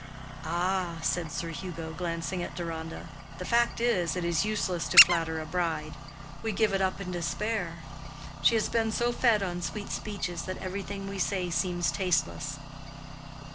"Ah!" said Sir Hugo, glancing at Deronda, "the fact is, it is useless to flatter a bride. We give it up in despair. She has been so fed on sweet speeches that every thing we say seems tasteless."